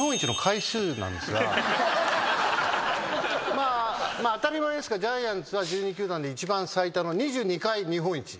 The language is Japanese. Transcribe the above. まあ当たり前ですけどジャイアンツは１２球団で一番最多の２２回日本一。